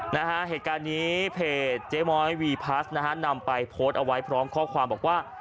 นะฮะเหตุการณ์นี้เพจเจ๊ม้อยวีพลัสนะฮะนำไปโพสต์เอาไว้พร้อมข้อความบอกว่า